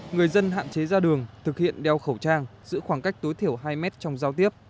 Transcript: người dân hạn chế ra đường thực hiện đeo khẩu trang giữ khoảng cách tối thiểu hai mét trong giao tiếp